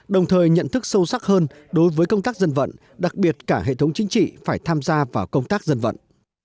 đồng thời nhận thức sâu sắc hơn đối với công tác dân vận đặc biệt cả hệ thống chính trị phải tham gia vào công tác dân vận